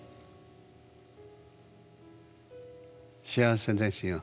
幸せですよ。